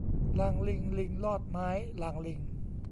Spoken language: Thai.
ลางลิงลิงลอดไม้ ลางลิง